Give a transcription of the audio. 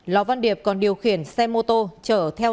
lò văn điệp còn điều khiển xe mô tô